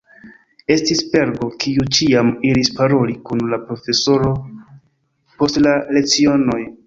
Estis Pergo, kiu ĉiam iris paroli kun la profesoroj post la lecionoj.